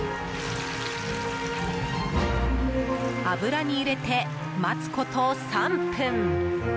油に入れて待つこと３分。